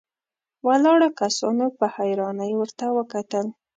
ولاړو کسانو په حيرانۍ ورته وکتل.